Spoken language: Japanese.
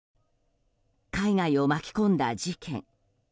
海外を巻き込んだ事件。